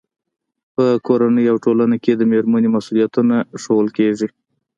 په کورنۍ او ټولنه کې د مېرمنې مسؤلیتونه ښوول کېږي.